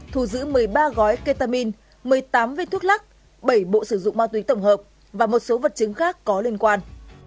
thu giữ một mươi ba gói ketamin một mươi tám viên thuốc lắc bảy bộ sử dụng ma túy tổng hợp và một số vật chứng khác có liên quan